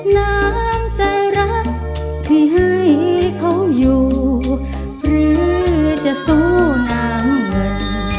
น้ำใจรักที่ให้เขาอยู่หรือจะสู้น้ำเงิน